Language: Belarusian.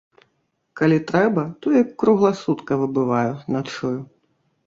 Калі трэба, то і кругласуткава бываю, начую.